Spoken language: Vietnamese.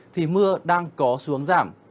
thì mưa đang có xuống giảm